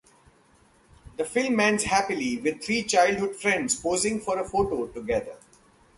The film ends happily with the three childhood friends posing for a photo together.